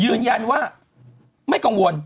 ยืนยันว่าไม่กังวล